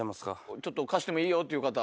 ちょっと貸してもいいよっていう方。